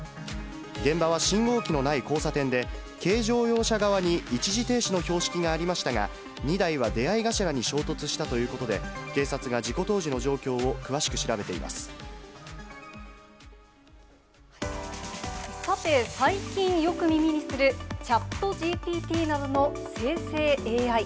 現場は信号機のない交差点で、軽乗用車側に一時停止の標識がありましたが、２台は出会い頭に衝突したということで、警察が事故当時の状況をさて、最近、よく耳にするチャットＧＰＴなどの生成ＡＩ。